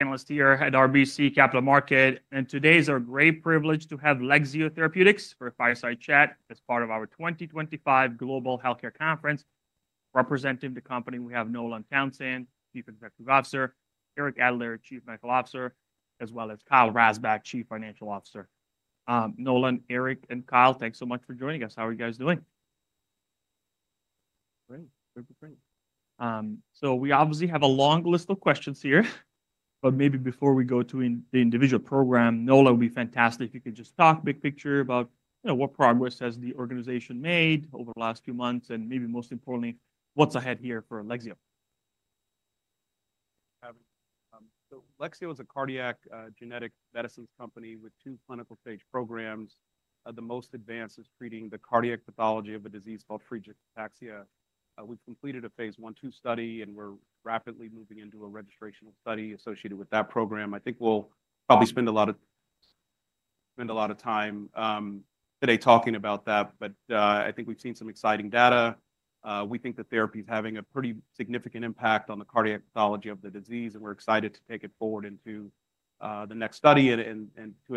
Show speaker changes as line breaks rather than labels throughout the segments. Panelists here at RBC Capital Markets, and today it is our great privilege to have Lexeo Therapeutics for a fireside chat as part of our 2025 Global Healthcare Conference. Representing the company, we have Nolan Townsend, Chief Executive Officer, Eric Adler, Chief Medical Officer, as well as Kyle Rasbach, Chief Financial Officer. Nolan, Eric, and Kyle, thanks so much for joining us. How are you guys doing?
Great, great, great.
We obviously have a long list of questions here, but maybe before we go to the individual program, Nolan, it would be fantastic if you could just talk big picture about what progress has the organization made over the last few months, and maybe most importantly, what is ahead here for Lexeo?
Lexeo is a cardiac genetic medicines company with two clinical stage programs. The most advanced is treating the cardiac pathology of a disease called Friedreich's ataxia. We've completed a phase I/II study, and we're rapidly moving into a registration study associated with that program. I think we'll probably spend a lot of time today talking about that, but I think we've seen some exciting data. We think the therapy is having a pretty significant impact on the cardiac pathology of the disease, and we're excited to take it forward into the next study and to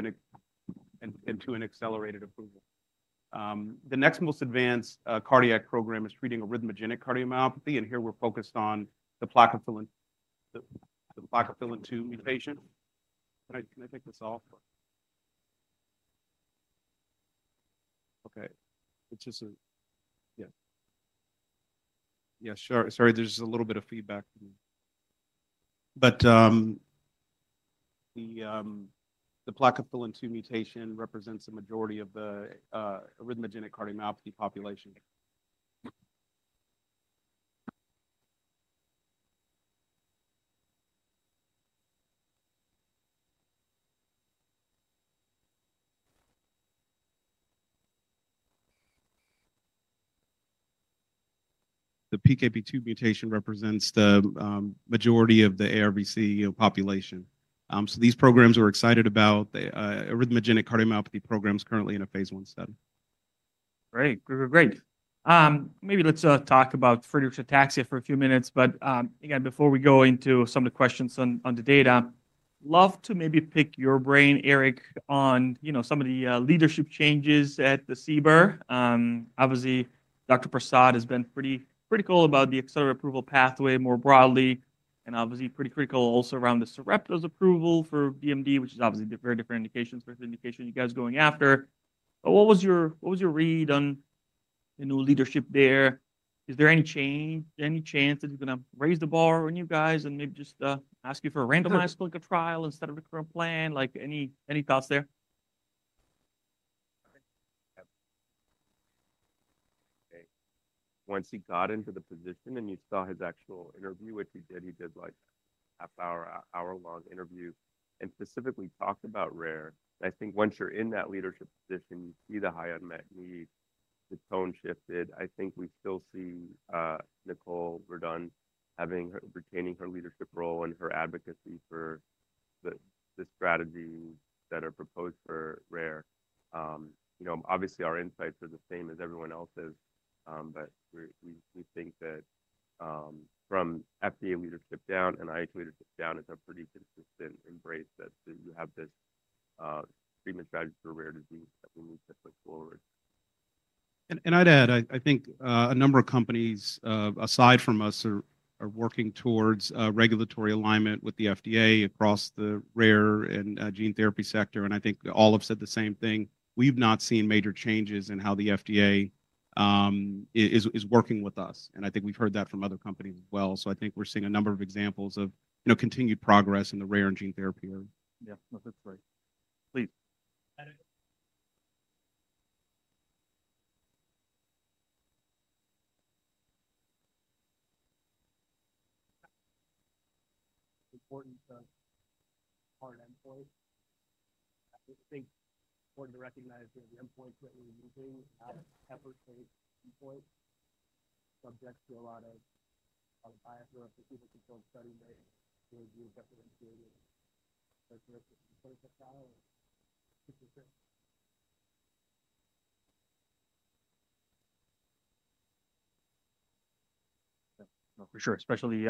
an accelerated approval. The next most advanced cardiac program is treating arrhythmogenic cardiomyopathy, and here we're focused on the PKP2 mutation. Can I take this off? Okay, it's just a, yeah. Yeah, sure, sorry, there's a little bit of feedback. The Plakophilin-2 mutation represents the majority of the arrhythmogenic cardiomyopathy population. The PKP2 mutation represents the majority of the ARVC population. So these programs we're excited about, arrhythmogenic cardiomyopathy programs, currently in a phase I study.
Great, great, great. Maybe let's talk about Friedreich's ataxia for a few minutes, but again, before we go into some of the questions on the data, I'd love to maybe pick your brain, Eric, on some of the leadership changes at the CBER. Obviously, Dr. Prasad has been pretty critical about the accelerated approval pathway more broadly, and obviously pretty critical also around Sarepta's approval for DMD, which is obviously very different indications for the indication you guys are going after. What was your, what was your read on the new leadership there? Is there any change, any chance that you're going to raise the bar on you guys and maybe just ask you for a randomized clinical trial instead of a current plan? Like any thoughts there?
Once he got into the position and you saw his actual interview, which he did, he did like a half hour, hour long interview, and specifically talked about rare. I think once you're in that leadership position, you see the high unmet need, the tone shifted. I think we still see Nicole Verdun retaining her leadership role and her advocacy for the strategies that are proposed for rare. You know, obviously our insights are the same as everyone else's, but we think that from FDA leadership down and IH leadership down, it's a pretty consistent embrace that you have this treatment strategy for rare disease that we need to push forward.
I'd add, I think a number of companies aside from us are working towards regulatory alignment with the FDA across the rare and gene therapy sector, and I think all have said the same thing. We've not seen major changes in how the FDA is working with us, and I think we've heard that from other companies as well. I think we're seeing a number of examples of continued progress in the rare and gene therapy area.
Yeah, no, that's great. Please.
Important part of employees. I think it's important to recognize the employees that we're using effort to employ subjects to a lot of bias or a procedure-controlled study that is referentiated.
For sure, especially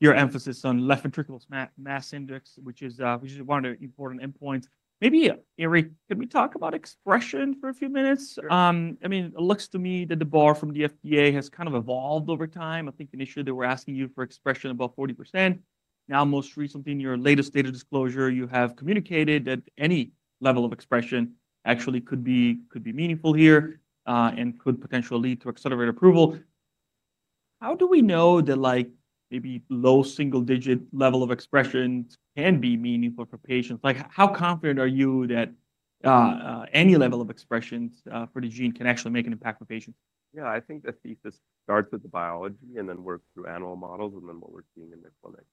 your emphasis on left ventricular mass index, which is one of the important endpoints. Maybe, Eric, can we talk about expression for a few minutes? I mean, it looks to me that the bar from the FDA has kind of evolved over time. I think initially they were asking you for expression above 40%. Now, most recently, in your latest data disclosure, you have communicated that any level of expression actually could be meaningful here and could potentially lead to accelerated approval. How do we know that like maybe low single digit level of expressions can be meaningful for patients? Like how confident are you that any level of expressions for the gene can actually make an impact for patients?
Yeah, I think the thesis starts with the biology and then works through animal models and then what we're seeing in the clinic.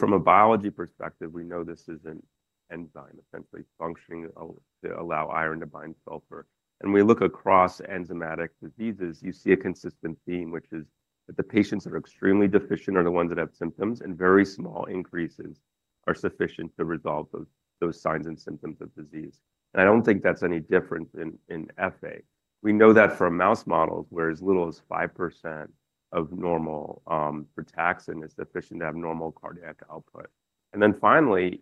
From a biology perspective, we know this is an enzyme essentially functioning to allow iron to bind sulfur. When we look across enzymatic diseases, you see a consistent theme, which is that the patients that are extremely deficient are the ones that have symptoms, and very small increases are sufficient to resolve those signs and symptoms of disease. I don't think that's any different in FA. We know that for mouse models, as little as 5% of normal protection is sufficient to have normal cardiac output. Finally,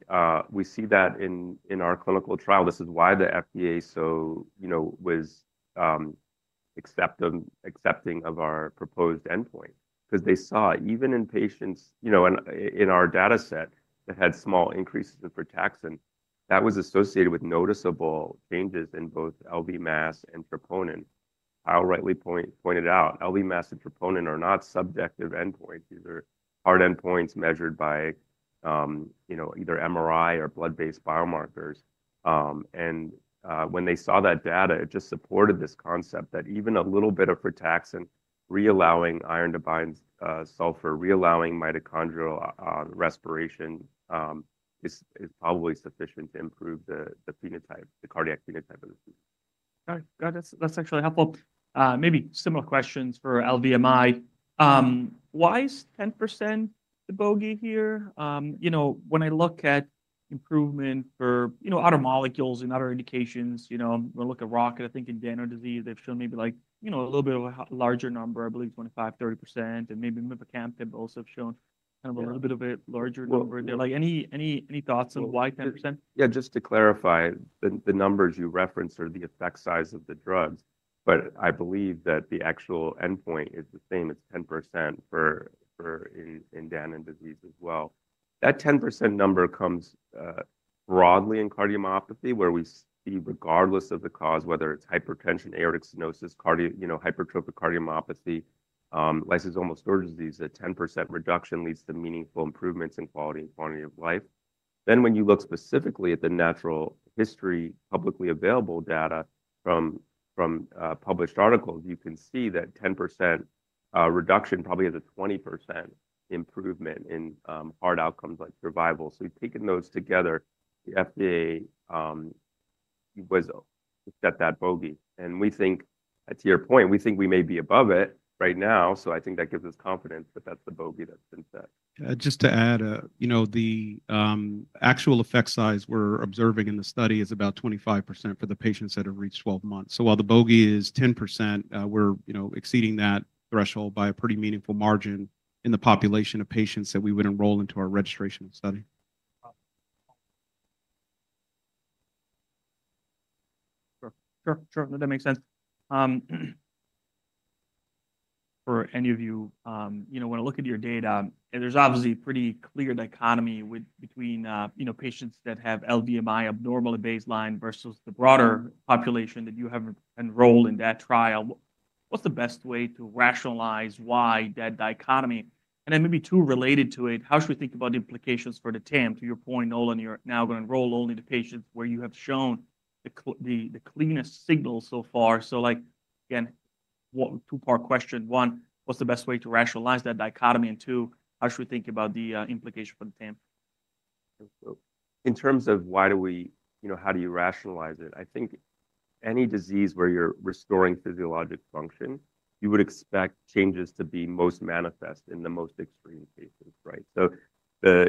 we see that in our clinical trial. This is why the FDA was so accepting of our proposed endpoint, because they saw even in patients, you know, in our data set that had small increases in protection, that was associated with noticeable changes in both LV mass and troponin. Kyle rightly pointed out, LV mass and troponin are not subjective endpoints. These are hard endpoints measured by either MRI or blood-based biomarkers. When they saw that data, it just supported this concept that even a little bit of protection, reallowing iron to bind sulfur, reallowing mitochondrial respiration is probably sufficient to improve the phenotype, the cardiac phenotype of the disease.
All right, got it. That's actually helpful. Maybe similar questions for LVMI. Why is 10% the bogey here? You know, when I look at improvement for, you know, other molecules and other indications, you know, when I look at Rocket, I think in Danon disease, they've shown maybe like, you know, a little bit of a larger number, I believe 25%-30%, and maybe Mavacamten also have shown kind of a little bit of a larger number there. Like any thoughts on why 10%?
Yeah, just to clarify, the numbers you referenced are the effect size of the drugs, but I believe that the actual endpoint is the same. It's 10% for in Danon disease as well. That 10% number comes broadly in cardiomyopathy, where we see regardless of the cause, whether it's hypertension, aortic stenosis, you know, hypertrophic cardiomyopathy, lysosomal storage sclerosis, that 10% reduction leads to meaningful improvements in quality and quantity of life. Then when you look specifically at the natural history, publicly available data from published articles, you can see that 10% reduction probably has a 20% improvement in heart outcomes like survival. Taking those together, the FDA was set that bogey. We think, to your point, we think we may be above it right now. I think that gives us confidence that that's the bogey that's been set.
Just to add, you know, the actual effect size we're observing in the study is about 25% for the patients that have reached 12 months. So while the bogey is 10%, we're exceeding that threshold by a pretty meaningful margin in the population of patients that we would enroll into our registration study.
Sure, sure, that makes sense. For any of you, you know, when I look at your data, there's obviously pretty clear dichotomy between, you know, patients that have LVMI abnormal at baseline versus the broader population that you have enrolled in that trial. What's the best way to rationalize why that dichotomy? And then maybe two related to it, how should we think about the implications for the TAM? To your point, Nolan, you're now going to enroll only the patients where you have shown the cleanest signal so far. So like, again, two-part question. One, what's the best way to rationalize that dichotomy? Two, how should we think about the implication for the TAM?
In terms of why do we, you know, how do you rationalize it? I think any disease where you're restoring physiologic function, you would expect changes to be most manifest in the most extreme cases, right? So,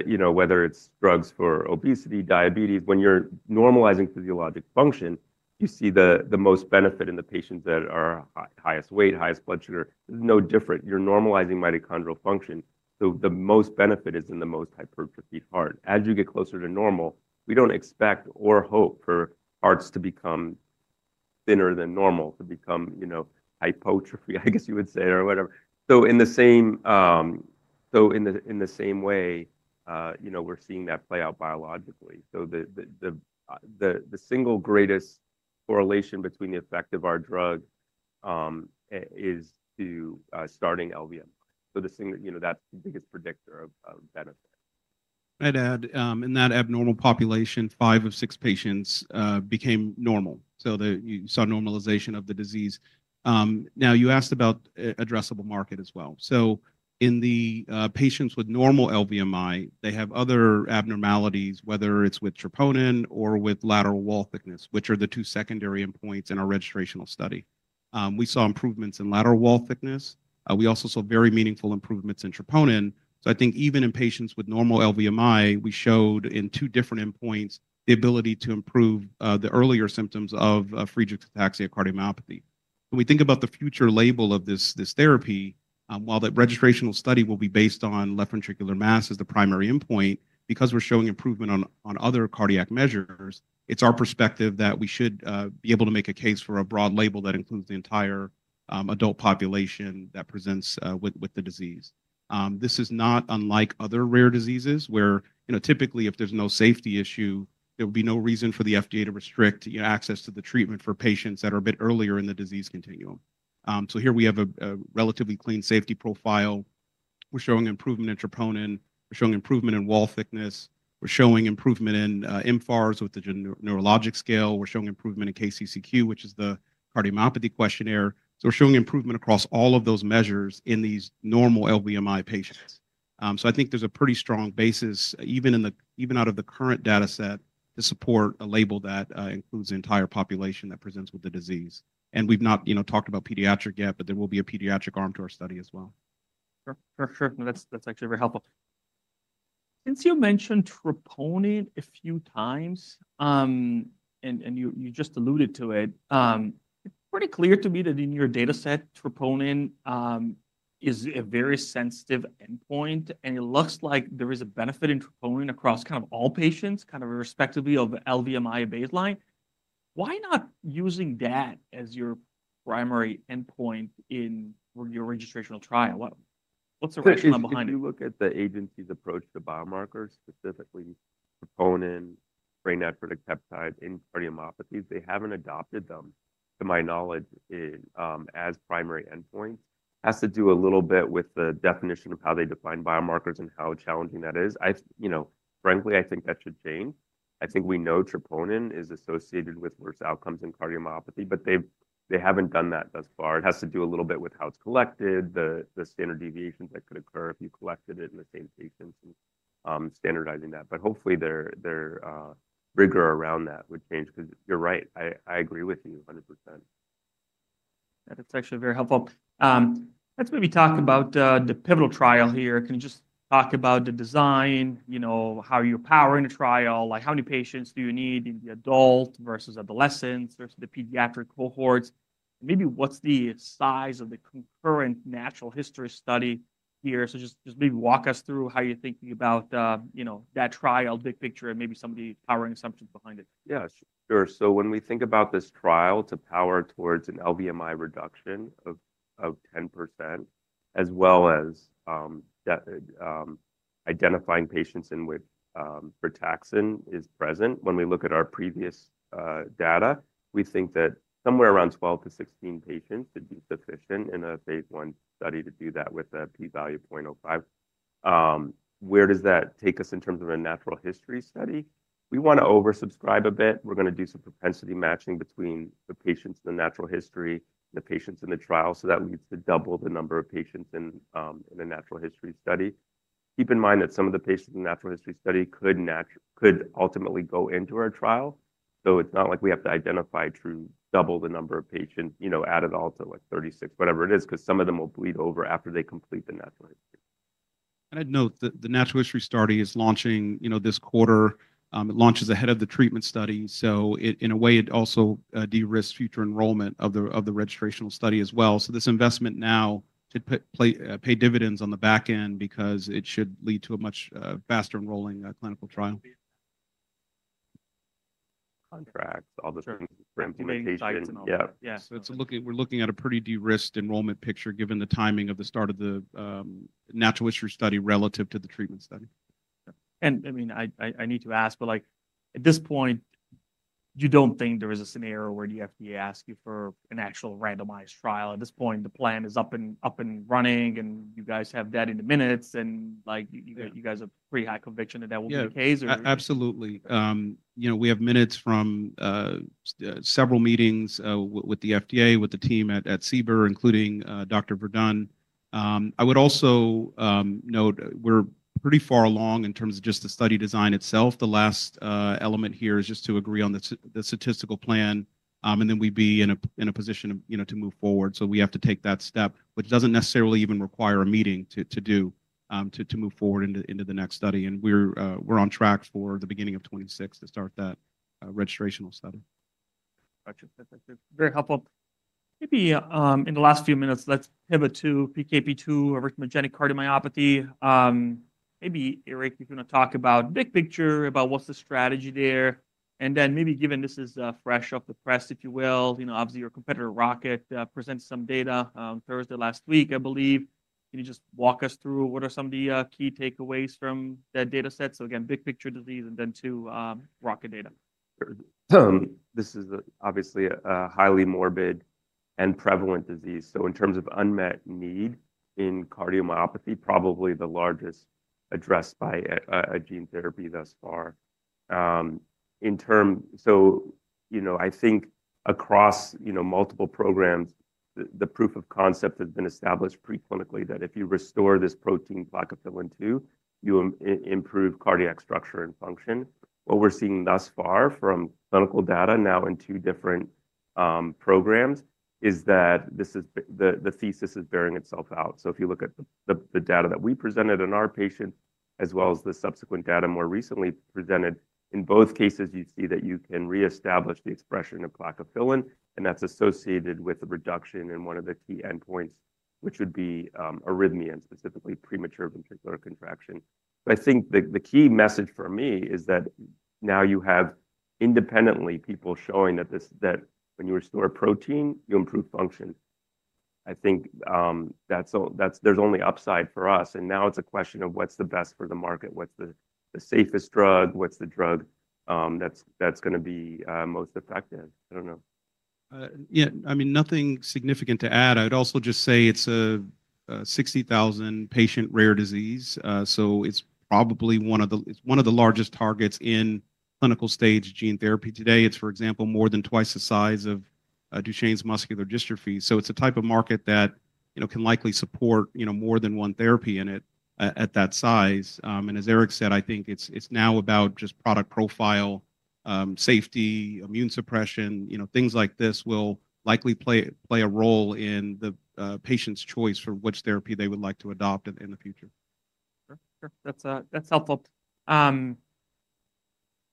you know, whether it's drugs for obesity, diabetes, when you're normalizing physiologic function, you see the most benefit in the patients that are highest weight, highest blood sugar. There's no different. You're normalizing mitochondrial function. So the most benefit is in the most hypertrophied heart. As you get closer to normal, we don't expect or hope for hearts to become thinner than normal, to become, you know, hypertrophy, I guess you would say, or whatever. In the same way, you know, we're seeing that play out biologically. The single greatest correlation between the effect of our drug is to starting LVMI. So the single, you know, that's the biggest predictor of benefit.
I'd add, in that abnormal population, five of six patients became normal. You saw normalization of the disease. You asked about addressable market as well. In the patients with normal LVMI, they have other abnormalities, whether it's with troponin or with lateral wall thickness, which are the two secondary endpoints in our registrational study. We saw improvements in lateral wall thickness. We also saw very meaningful improvements in troponin. I think even in patients with normal LVMI, we showed in two different endpoints the ability to improve the earlier symptoms of Friedeich's ataxia cardiomyopathy. When we think about the future label of this therapy, while that registrational study will be based on left ventricular mass as the primary endpoint, because we're showing improvement on other cardiac measures, it's our perspective that we should be able to make a case for a broad label that includes the entire adult population that presents with the disease. This is not unlike other rare diseases where, you know, typically if there's no safety issue, there would be no reason for the FDA to restrict access to the treatment for patients that are a bit earlier in the disease continuum. Here we have a relatively clean safety profile. We're showing improvement in troponin. We're showing improvement in wall thickness. We're showing improvement in infarcts with the neurologic scale. We're showing improvement in KCCQ, which is the cardiomyopathy questionnaire. We're showing improvement across all of those measures in these normal LVMI patients. I think there's a pretty strong basis, even out of the current data set, to support a label that includes the entire population that presents with the disease. We've not, you know, talked about pediatric yet, but there will be a pediatric arm to our study as well.
Sure, sure, sure. That's actually very helpful. Since you mentioned troponin a few times, and you just alluded to it, it's pretty clear to me that in your data set, troponin is a very sensitive endpoint, and it looks like there is a benefit in troponin across kind of all patients, kind of respectively of LVMI baseline. Why not using that as your primary endpoint in your registrational trial? What's the rationale behind it?
If you look at the agency's approach to biomarkers, specifically troponin, brain natreuretic peptides, in cardiomyopathies, they haven't adopted them, to my knowledge, as primary endpoints. Has to do a little bit with the definition of how they define biomarkers and how challenging that is. I, you know, frankly, I think that should change. I think we know troponin is associated with worse outcomes in cardiomyopathy, but they haven't done that thus far. It has to do a little bit with how it's collected, the standard deviations that could occur if you collected it in the same patients and standardizing that. Hopefully their rigor around that would change, because you're right, I agree with you 100%.
That's actually very helpful. Let's maybe talk about the pivotal trial here. Can you just talk about the design, you know, how you're powering the trial? Like how many patients do you need in the adult versus adolescents versus the pediatric cohorts? Maybe what's the size of the concurrent natural history study here? Just maybe walk us through how you're thinking about, you know, that trial, big picture, and maybe some of the powering assumptions behind it.
Yeah, sure. When we think about this trial to power towards an LVMI reduction of 10%, as well as identifying patients in which protection is present, when we look at our previous data, we think that somewhere around 12-16 patients would be sufficient in a phase one study to do that with a p-value 0.05. Where does that take us in terms of a natural history study? We want to oversubscribe a bit. We're going to do some propensity matching between the patients in the natural history, the patients in the trial, so that leads to double the number of patients in a natural history study. Keep in mind that some of the patients in the natural history study could ultimately go into our trial. It's not like we have to identify true double the number of patients, you know, added all to like 36, whatever it is, because some of them will bleed over after they complete the natural history.
I'd note that the natural history study is launching, you know, this quarter. It launches ahead of the treatment study. In a way, it also de-risked future enrollment of the registrational study as well. This investment now should pay dividends on the back end because it should lead to a much faster enrolling clinical trial.
Contracts, all the things for implementation.
Yeah, so we're looking at a pretty de-risked enrollment picture given the timing of the start of the natural history study relative to the treatment study.
I mean, I need to ask, but like at this point, you don't think there is a scenario where the FDA asks you for an actual randomized trial? At this point, the plan is up and running and you guys have that in the minutes and like you guys have pretty high conviction that that will be the case?
Absolutely. You know, we have minutes from several meetings with the FDA, with the team at CBER, including Dr. Verdun. I would also note we're pretty far along in terms of just the study design itself. The last element here is just to agree on the statistical plan and then we'd be in a position, you know, to move forward. We have to take that step, which doesn't necessarily even require a meeting to do to move forward into the next study. We're on track for the beginning of 2026 to start that registrational study.
Gotcha. Very helpful. Maybe in the last few minutes, let's pivot to PKP2 or arrhythmogenic cardiomyopathy. Maybe Eric, if you want to talk about big picture about what's the strategy there. And then maybe given this is fresh off the press, if you will, you know, obviously your competitor Rocket presented some data Thursday last week, I believe. Can you just walk us through what are some of the key takeaways from that data set? So again, big picture disease and then to Rocket data.
This is obviously a highly morbid and prevalent disease. In terms of unmet need in cardiomyopathy, probably the largest addressed by a gene therapy thus far. In terms, you know, I think across, you know, multiple programs, the proof of concept has been established preclinically that if you restore this protein, plakophilin-2, you improve cardiac structure and function. What we're seeing thus far from clinical data now in two different programs is that this thesis is bearing itself out. If you look at the data that we presented in our patient, as well as the subsequent data more recently presented, in both cases, you see that you can reestablish the expression of plakophilin, and that's associated with the reduction in one of the key endpoints, which would be arrhythmia, specifically premature ventricular contraction. I think the key message for me is that now you have independently people showing that when you restore protein, you improve function. I think there's only upside for us. Now it's a question of what's the best for the market? What's the safest drug? What's the drug that's going to be most effective? I don't know.
Yeah, I mean, nothing significant to add. I'd also just say it's a 60,000 patient rare disease. So it's probably one of the largest targets in clinical stage gene therapy today. It's, for example, more than twice the size of Duchenne's muscular dystrophy. It's a type of market that, you know, can likely support, you know, more than one therapy in it at that size. As Eric said, I think it's now about just product profile, safety, immune suppression, you know, things like this will likely play a role in the patient's choice for which therapy they would like to adopt in the future.
Sure, sure. That's helpful.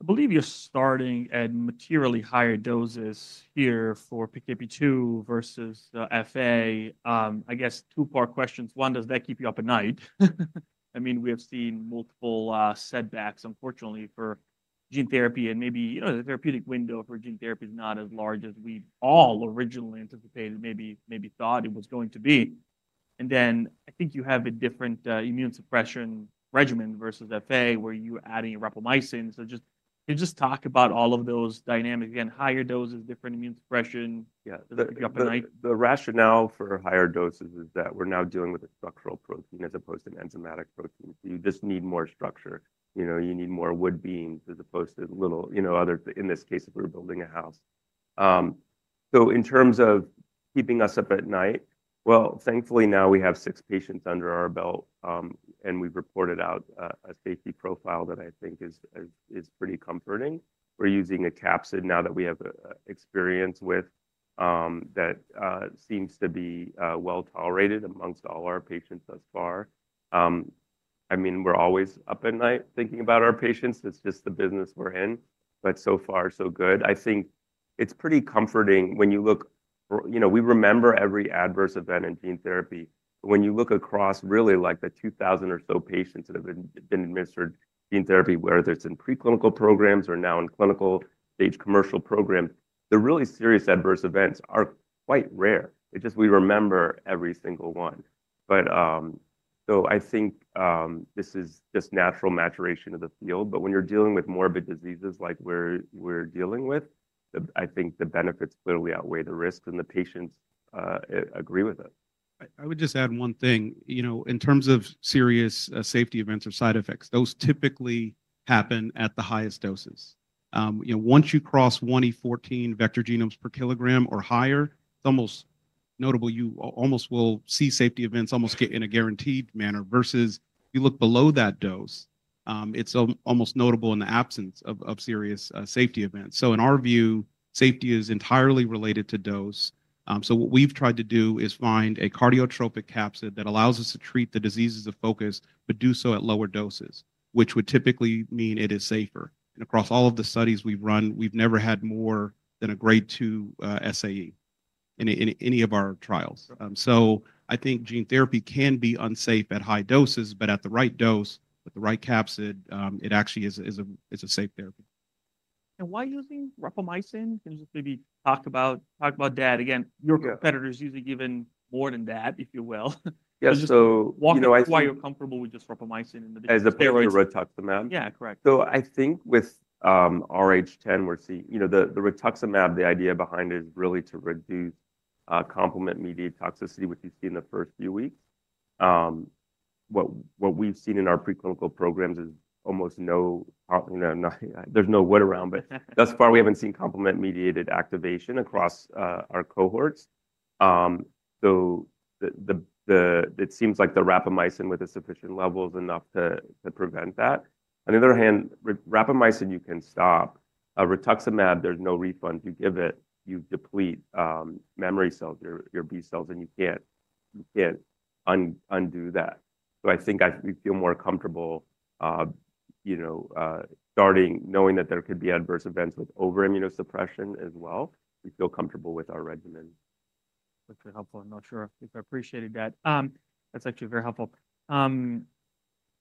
I believe you're starting at materially higher doses here for PKP2 versus FA. I guess two-part questions. One, does that keep you up at night? I mean, we have seen multiple setbacks, unfortunately, for gene therapy and maybe, you know, the therapeutic window for gene therapy is not as large as we all originally anticipated, maybe thought it was going to be. I think you have a different immune suppression regimen versus FA where you're adding rapamycin. Just talk about all of those dynamics and higher doses, different immune suppression. Yeah, does that keep you up at night?
The rationale for higher doses is that we're now dealing with a structural protein as opposed to an enzymatic protein. You just need more structure. You know, you need more wood beams as opposed to little, you know, other, in this case, if we're building a house. In terms of keeping us up at night, thankfully now we have six patients under our belt and we've reported out a safety profile that I think is pretty comforting. We're using a capsid now that we have experience with that seems to be well tolerated amongst all our patients thus far. I mean, we're always up at night thinking about our patients. It's just the business we're in. So far, so good. I think it's pretty comforting when you look, you know, we remember every adverse event in gene therapy. When you look across really like the 2,000 or so patients that have been administered gene therapy, whether it's in preclinical programs or now in clinical stage commercial programs, the really serious adverse events are quite rare. We remember every single one. I think this is just natural maturation of the field. When you're dealing with morbid diseases like we're dealing with, I think the benefits clearly outweigh the risks and the patients agree with us.
I would just add one thing, you know, in terms of serious safety events or side effects, those typically happen at the highest doses. You know, once you cross 214 vector genomes per kilogram or higher, it's almost notable. You almost will see safety events almost get in a guaranteed manner versus you look below that dose, it's almost notable in the absence of serious safety events. In our view, safety is entirely related to dose. What we've tried to do is find a cardiotropic capsid that allows us to treat the diseases of focus, but do so at lower doses, which would typically mean it is safer. Across all of the studies we've run, we've never had more than a grade two SAE in any of our trials. I think gene therapy can be unsafe at high doses, but at the right dose, with the right capsid, it actually is a safe therapy.
Why using rapamycin? Can you just maybe talk about that? Again, your competitors usually give more than that, if you will.
Yeah, so you know.
Why you're comfortable with just rapamycin in the.
As opposed to rituximab.
Yeah, correct.
I think with RH10, we're seeing, you know, the rituximab, the idea behind it is really to reduce complement-mediated toxicity, which you see in the first few weeks. What we've seen in our preclinical programs is almost no, there's no way around, but thus far, we haven't seen complement-mediated activation across our cohorts. It seems like the rapamycin with a sufficient level is enough to prevent that. On the other hand, rapamycin, you can stop. Rituximab, there's no refund. You give it, you deplete memory cells, your B cells, and you can't undo that. I think we feel more comfortable, you know, starting knowing that there could be adverse events with over-immunosuppression as well. We feel comfortable with our regimen.
That's very helpful. I'm not sure if I appreciated that. That's actually very helpful.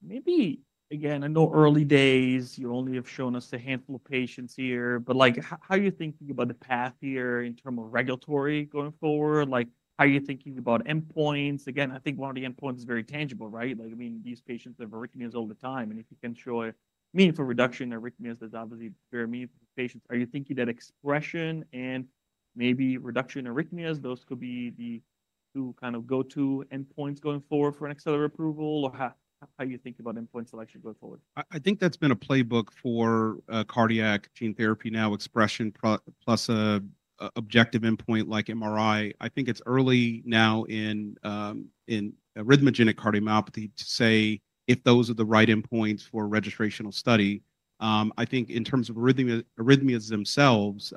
Maybe again, I know early days, you only have shown us a handful of patients here, but like how are you thinking about the path here in terms of regulatory going forward? Like how are you thinking about endpoints? Again, I think one of the endpoints is very tangible, right? Like I mean, these patients have arrhythmias all the time. If you can show a meaningful reduction in arrhythmias, there's obviously very meaningful patients. Are you thinking that expression and maybe reduction in arrhythmias, those could be the two kind of go-to endpoints going forward for an accelerated approval? Or how do you think about endpoint selection going forward?
I think that's been a playbook for cardiac gene therapy now, expression plus an objective endpoint like MRI. I think it's early now in arrhythmogenic cardiomyopathy to say if those are the right endpoints for a registrational study. I think in terms of arrhythmias themselves,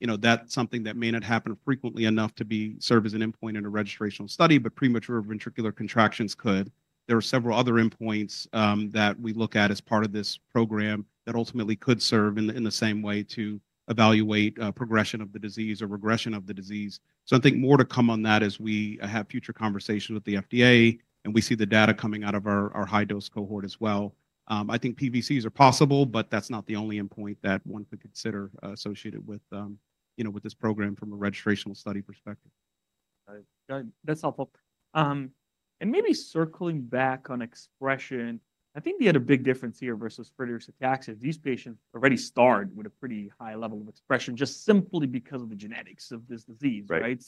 you know, that's something that may not happen frequently enough to serve as an endpoint in a registrational study, but premature ventricular contractions could. There are several other endpoints that we look at as part of this program that ultimately could serve in the same way to evaluate progression of the disease or regression of the disease. I think more to come on that as we have future conversations with the FDA and we see the data coming out of our high-dose cohort as well. I think PVCs are possible, but that's not the only endpoint that one could consider associated with, you know, with this program from a registrational study perspective.
That's helpful. Maybe circling back on expression, I think the other big difference here versus Friedreich's ataxia is these patients already start with a pretty high level of expression just simply because of the genetics of this disease, right?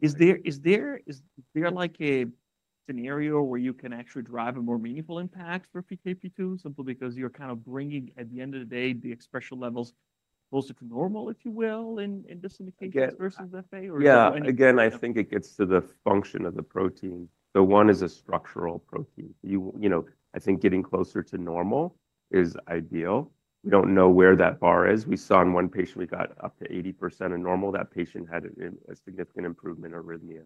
Is there like a scenario where you can actually drive a more meaningful impact for PKP2 simply because you're kind of bringing at the end of the day the expression levels closer to normal, if you will, in this indication versus FA?
Yeah, again, I think it gets to the function of the protein. One is a structural protein. You know, I think getting closer to normal is ideal. We do not know where that bar is. We saw in one patient, we got up to 80% of normal. That patient had a significant improvement in arrhythmia.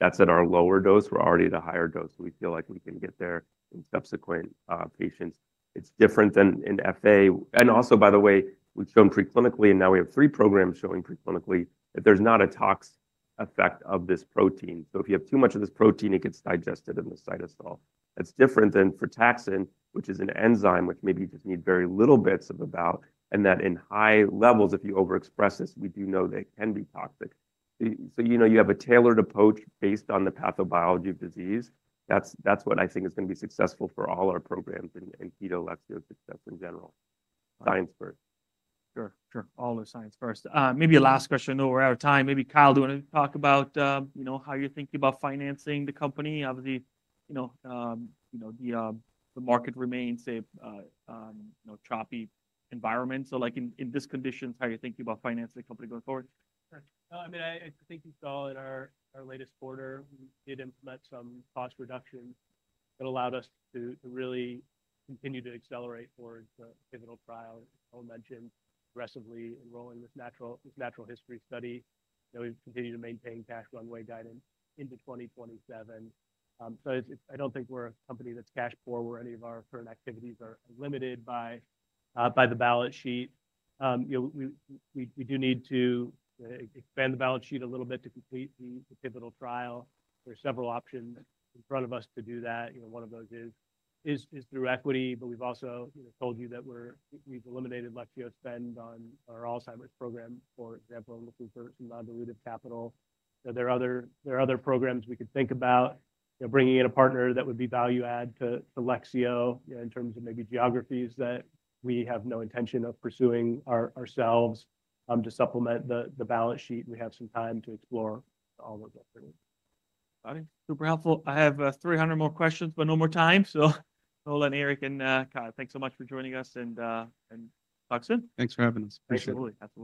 That is at our lower dose. We are already at a higher dose. We feel like we can get there in subsequent patients. It is different than in FA. Also, by the way, we have shown preclinically and now we have three programs showing preclinically that there is not a tox effect of this protein. If you have too much of this protein, it gets digested in the cytosol. That is different than frataxin, which is an enzyme which maybe you just need very little bits of. In high levels, if you overexpress this, we do know that it can be toxic. You have a tailored approach based on the pathobiology of disease. That's what I think is going to be successful for all our programs and Lexeo's success in general. Science first.
Sure, sure. All is science first. Maybe a last question. I know we're out of time. Maybe Kyle, do you want to talk about, you know, how you're thinking about financing the company? Obviously, you know, the market remains a choppy environment. Like in this condition, how are you thinking about financing the company going forward?
I mean, I think you saw in our latest quarter, we did implement some cost reductions that allowed us to really continue to accelerate towards the pivotal trial. I'll mention aggressively enrolling this natural history study. We've continued to maintain cash runway guidance into 2027. I don't think we're a company that's cash poor where any of our current activities are limited by the balance sheet. You know, we do need to expand the balance sheet a little bit to complete the pivotal trial. There are several options in front of us to do that. You know, one of those is through equity, but we've also told you that we've eliminated Lexeo's spend on our Alzheimer's program, for example, looking for some non-dilutive capital. There are other programs we could think about, you know, bringing in a partner that would be value add to Lexeo in terms of maybe geographies that we have no intention of pursuing ourselves to supplement the balance sheet. We have some time to explore all those alternatives.
Got it. Super helpful. I have 300 more questions, but no more time. So Nolan and Eric and Kyle, thanks so much for joining us and talk soon.
Thanks for having us.
Absolutely.